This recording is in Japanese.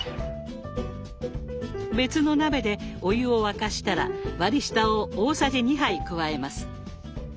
別の鍋でお湯を沸かしたら割り下を大さじ２杯加えます。